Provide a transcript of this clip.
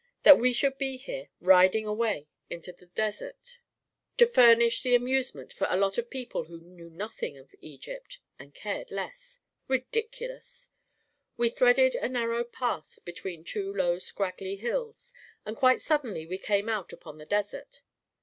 That we should be here, riding away into the desert — to furnish an evening^ io6 A KING IN BABYLON amusement for a lot of people who knew nothing of Egypt and cared less 1 Ridiculous I We threaded a narrow pass between two low scraggly hills, and quite suddenly we came out upon the desert.